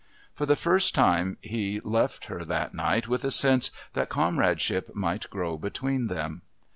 For the first time he left her that night with a sense that comradeship might grow between them.